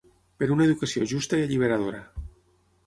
Per una educació justa i alliberadora.